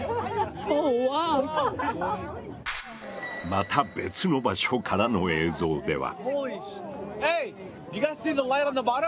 また別の場所からの映像では。